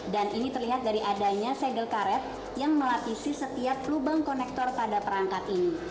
dan ini terlihat dari adanya segel karet yang melapisi setiap lubang konektor pada perangkat ini